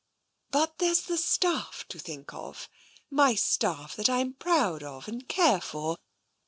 But there's the staff to think of — my staff that Fm proud of, and care for.